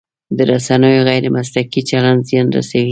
د رسنیو غیر مسلکي چلند زیان رسوي.